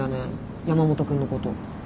山本君のこと。